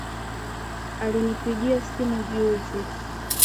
Alinipigia simu juzi